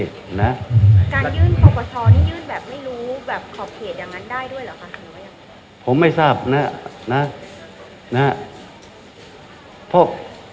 การยื่นประประชออะไรนะการยื่นแจ้งครอบครองที่ดินประประชอห้าของคุณบารินาในบัญชีตรวจสอบรักษีของประประชอค่ะอืม